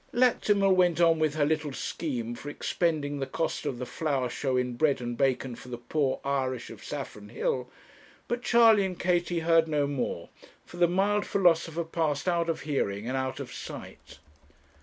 Lactimel went on with her little scheme for expending the cost of the flower show in bread and bacon for the poor Irish of Saffron Hill; but Charley and Katie heard no more, for the mild philosopher passed out of hearing and out of sight.